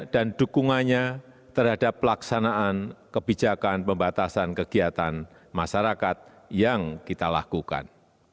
dan dukungannya terhadap pelaksanaan kebijakan pembatasan kegiatan masyarakat yang kita lakukan